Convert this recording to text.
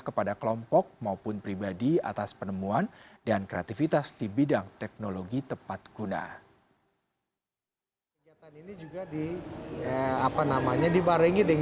kepada kelompok maupun pribadi atas penemuan dan kreativitas di bidang teknologi tepat guna